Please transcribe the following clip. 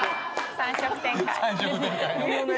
３色展開。